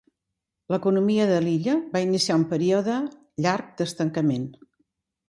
L"economia de l"illa va iniciar un període llarg d"estancament.